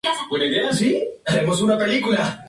Ver por ejemplo momento angular.